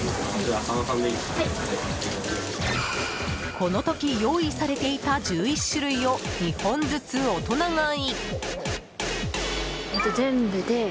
この時、用意されていた１１種類を２本ずつ大人買い！